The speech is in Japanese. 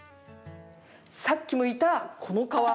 さっきむいた、この皮。